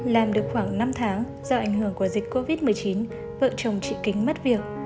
làm được khoảng năm tháng do ảnh hưởng của dịch covid một mươi chín vợ chồng chị kính mất việc